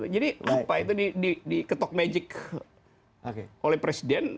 jadi apa itu diketok magic oleh presiden